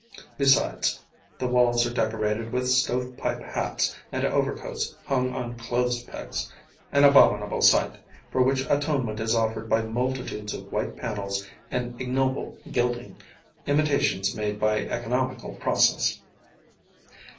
Besides, the walls are decorated with stovepipe hats and overcoats hung on clothes pegs an abominable sight, for which atonement is offered by multitudes of white panels and ignoble gilding, imitations made by economical process.